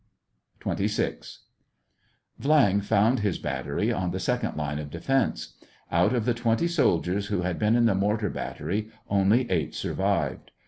256 SEVASTOPOL IN AUGUST. XXVI. Viang found his battery on the second line of defence. Out of the twenty soldiers who had been in the mortar battery, only eight survived.